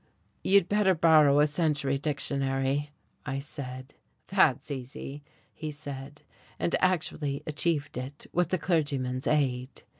"You'd better borrow a Century Dictionary," I said. "That's easy," he said, and actually achieved it, with the clergyman's aid.